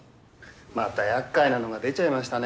またやっかいなのが出ちゃいましたね。